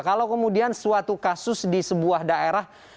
kalau kemudian suatu kasus di sebuah daerah